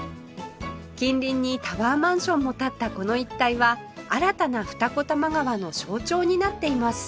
近隣にタワーマンションも建ったこの一帯は新たな二子玉川の象徴になっています